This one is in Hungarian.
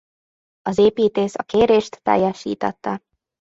Az építész a kérést teljesítette.